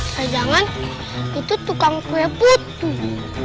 tapi jangan itu tukang kue putih